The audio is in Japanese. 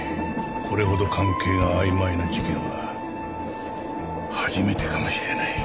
これほど関係が曖昧な事件は初めてかもしれない。